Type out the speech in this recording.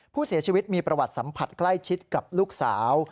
ผู้เสียชีวิตมีประวัติสัมผัสใกล้ชิดกับลูกสาว